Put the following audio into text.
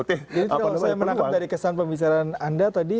itu menang dari kesan pembicaraan anda tadi